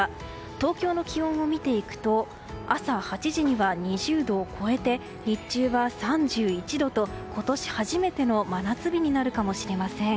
東京の気温を見ていくと朝８時には２０度を超えて日中は３１度と、今年初めての真夏日になるかもしれません。